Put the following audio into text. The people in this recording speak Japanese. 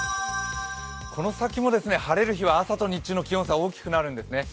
この先も晴れる日は朝と日中の気温差、大きくなるんですね。